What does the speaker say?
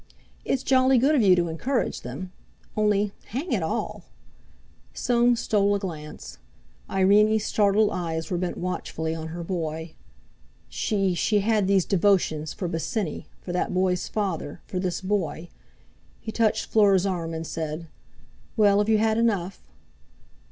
—"it's jolly good of you to encourage them. Only—hang it all!" Soames stole a glance. Irene's startled eyes were bent watchfully on her boy. She—she had these devotions—for Bosinney—for that boy's father—for this boy! He touched Fleur's arm, and said: "Well, have you had enough?"